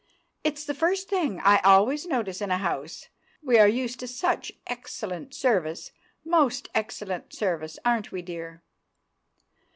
"It's the first thing I always notice in a house. We are used to such excellent service—most excellent service, aren't we, dear?"